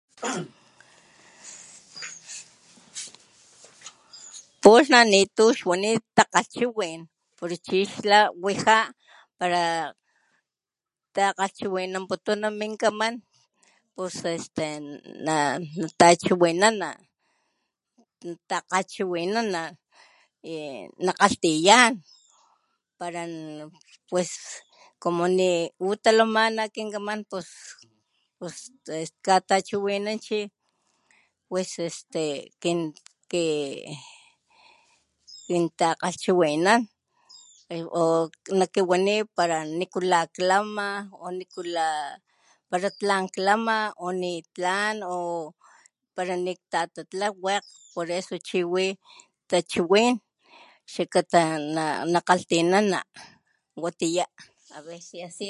Pulha nitu xwanit takgachiwin pero chi xla wija para takgalhchiwinanputuna min kaman pos este natachiwinana natakgalhchiwinana nakgalhtiyan para pues para ni u talamana pos este katachiwan chi pues este kin kintakgalhchiwinan o nakiwani para nikula klama o nikula para tla klama nitlan o para niktatatla por eso chi wi tachiwin xakata nakgalhtinana watiya.